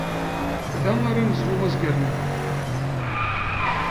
Da ara nezlu azger-nni.